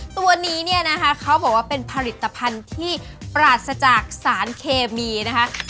ตัวนี้เนี่ยนะคะเขาบอกว่าเป็นผลิตภัณฑ์ที่ปราศจากสารเคมีนะคะ